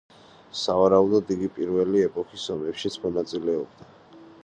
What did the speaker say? სავარაუდოდ, იგი პირველი ეპოქის ომებშიც მონაწილეობდა.